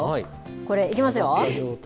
これ、いきますよ。